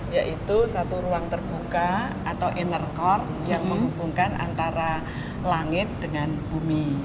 yaitu satu ruang terbuka atau inner core yang menghubungkan antara langit dengan bumi